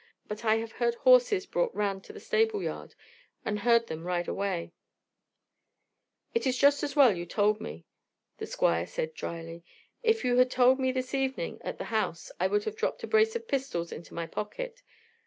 but I have heard horses brought round to the stable yard, and heard them ride away:" "It is just as well you told me," the Squire said dryly. "If you had told me this evening at the house, I would have dropped a brace of pistols into my pocket.